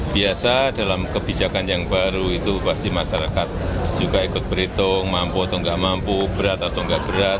biasa dalam kebijakan yang baru itu pasti masyarakat juga ikut berhitung mampu atau nggak mampu berat atau enggak berat